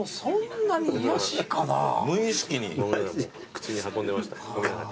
口に運んでました。